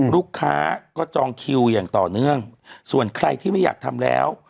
ลูกค้าก็จองคิวอย่างต่อเนื่องส่วนใครที่ไม่อยากทำแล้ว